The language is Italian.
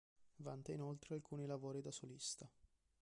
Vanta inoltre alcuni lavori da solista.